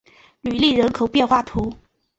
吕利人口变化图示